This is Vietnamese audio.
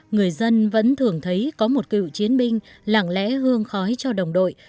người dân vẫn thường thấy có một cựu chiến binh lạng lẽ hương khói cho đồng đội